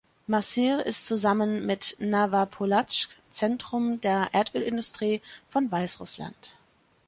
Masyr ist zusammen mit Nawapolazk Zentrum der Erdölindustrie von Weißrussland.